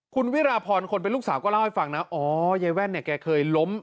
คุณวิราพรคนเป็นลูกสาวก็เล่าให้ฟังนะอ๋อยายแว่นเนี่ยแกเคยล้ม